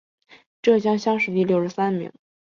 浙江乡试第六十三名。